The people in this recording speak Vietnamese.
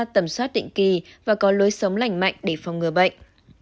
tầm soát định kỳ và có lối sống lành mạnh để phòng ngừa bệnh